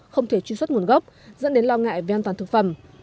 không thể truy xuất nguồn gốc dẫn đến lo ngại về an toàn thực phẩm